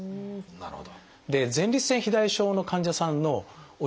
なるほど。